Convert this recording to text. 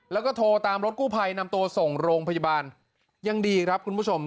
แล้วก็โทรตามรถกู้ภัยนำตัวส่งโรงพยาบาลยังดีครับคุณผู้ชม